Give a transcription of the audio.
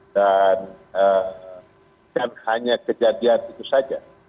dan bukan hanya kejadian itu saja